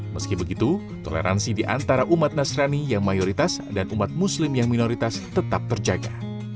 meski begitu toleransi di antara umat nasrani yang mayoritas dan umat muslim yang minoritas tetap terjaga